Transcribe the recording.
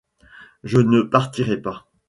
Je ne partirai pas.